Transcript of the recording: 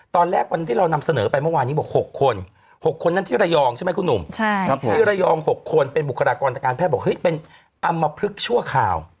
แตกต่างกันจะแป้มเขามาสรุปว่า